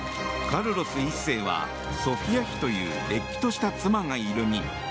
カルロス１世はソフィア妃というれっきとした妻がいる身。